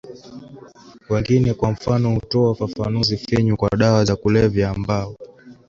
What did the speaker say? wengine kwa mfano hutoa ufafanuzi finyu kwa dawa za kulevya ambao